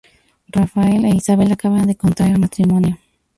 Rafael e Isabel acaban de contraer matrimonio.